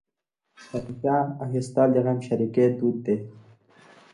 فاتحه اخیستل د غمشریکۍ دود دی.